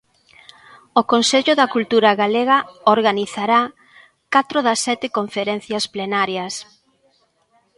O Consello da Cultura Galega organizará catro das sete conferencias plenarias.